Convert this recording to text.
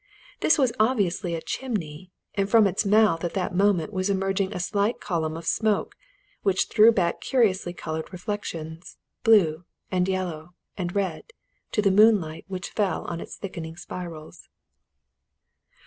This was obviously a chimney, and from its mouth at that moment was emerging a slight column of smoke which threw back curiously coloured reflections, blue, and yellow, and red, to the moonlight which fell on its thickening spirals.